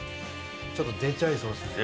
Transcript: ちょっと出ちゃいそうですね。